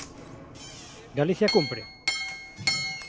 ¿Galicia cumpre?